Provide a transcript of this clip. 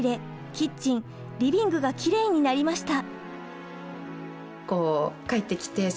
キッチンリビングがキレイになりました。